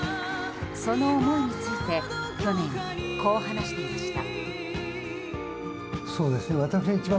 その思いについて去年、こう話していました。